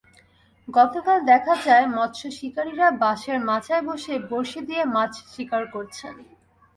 গতকাল দেখা যায়, মৎস্য শিকারিরা বাঁশের মাচায় বসে বড়শি দিয়ে মাছ শিকার করছেন।